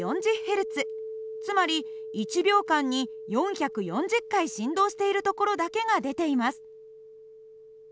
つまり１秒間に４４０回振動しているところだけが出ています。